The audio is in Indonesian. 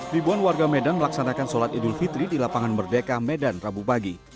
ribuan warga medan melaksanakan sholat idul fitri di lapangan merdeka medan rabu pagi